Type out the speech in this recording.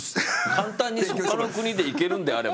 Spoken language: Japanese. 簡単にほかの国でいけるんであれば。